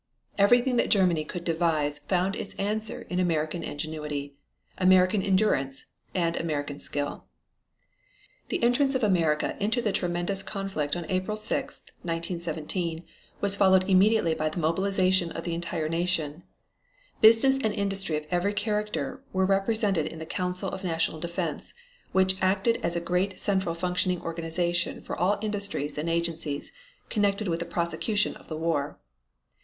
Everything that Germany could devise found its answer in American ingenuity, American endurance and American skill. The entrance of America into the tremendous conflict on April 6, 1917 was followed immediately by the mobilization of the entire nation. Business and industry of every character were represented in the Council of National Defense which acted as a great central functioning organization for all industries and agencies connected with the prosecution of the war.